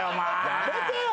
やめてよ！